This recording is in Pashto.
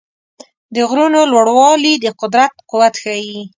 د غرونو لوړوالي د قدرت قوت ښيي.